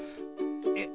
えっ